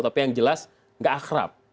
tapi yang jelas tidak akhrab